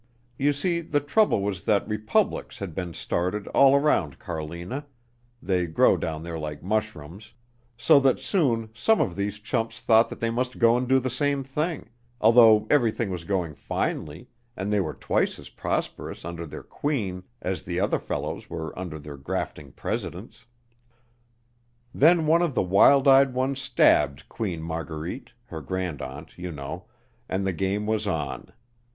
You see the trouble was that republics had been started all around Carlina, they grow down there like mushrooms, so that soon some of these chumps thought they must go and do the same thing, although everything was going finely and they were twice as prosperous under their queen as the other fellows were under their grafting presidents. Then one of the wild eyed ones stabbed Queen Marguerite, her grandaunt, you know, and the game was on.